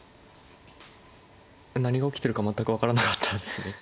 何が起きてるか全く分からなかったですね。